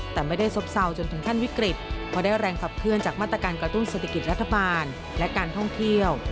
แต่ไม่ได้ซบเศร้าจนถึงขั้นวิกฤตเพราะได้แรงขับเคลื่อนจากมาตรการกระตุ้นเศรษฐกิจรัฐบาลและการท่องเที่ยว